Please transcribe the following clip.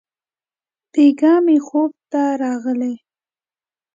بېګاه مي خوب ته راغلې!